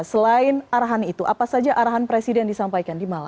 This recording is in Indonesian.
selain arahan itu apa saja arahan presiden disampaikan di malang